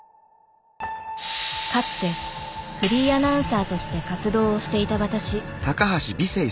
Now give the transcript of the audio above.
かつてフリーアナウンサーとして活動をしていた私。